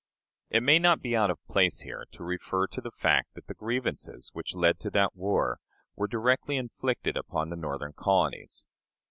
It may not be out of place here to refer to the fact that the grievances which led to that war were directly inflicted upon the Northern colonies.